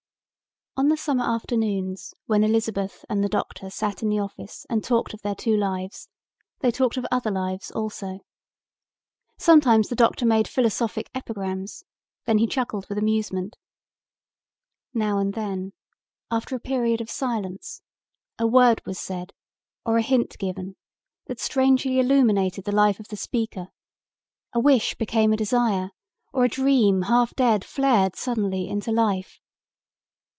On the summer afternoons when Elizabeth and the doctor sat in the office and talked of their two lives they talked of other lives also. Sometimes the doctor made philosophic epigrams. Then he chuckled with amusement. Now and then after a period of silence, a word was said or a hint given that strangely illuminated the life of the speaker, a wish became a desire, or a dream, half dead, flared suddenly into life.